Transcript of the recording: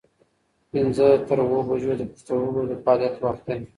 پنځه تر اووه بجو د پښتورګو د فعالیت وخت دی.